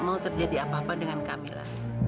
mau terjadi apa apa dengan kamila